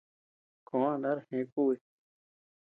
Koʼö a ndar gea kubi.